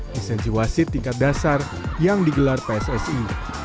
lisensi wasit tingkat dasar yang digelar pssi